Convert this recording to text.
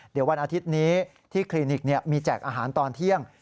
เดี๋ยววันอาทิตย์นี้ที่คลินิกมีแจกอาหารตอนเที่ยง